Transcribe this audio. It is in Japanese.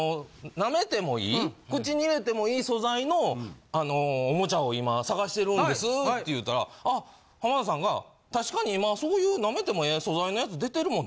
舐めてもいい口に入れてもいい素材のあのおもちゃを今探してるんですって言うたら浜田さんが「確かに今そういう」。って言うたんですよ。